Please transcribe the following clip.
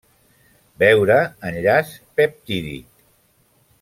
Veure enllaç peptídic.